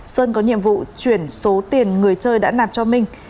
sơn có nhiệm vụ chuyển số tiền người chơi đã nạp cho minh